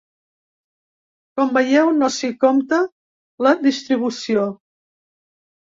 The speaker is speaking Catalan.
Com veieu, no s’hi compta la distribució.